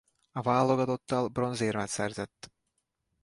A válogatottal bronzérmet szerzett.